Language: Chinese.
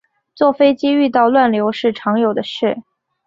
坐飞机遇到乱流是常有的事